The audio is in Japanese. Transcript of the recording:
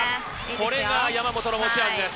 これが山本の持ち味です。